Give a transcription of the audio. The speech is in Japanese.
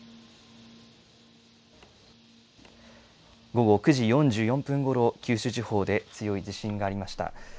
午後９時４４分ごろ、九州地方で強い地震がありました。